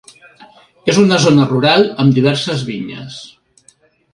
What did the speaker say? És una zona rural amb diverses vinyes.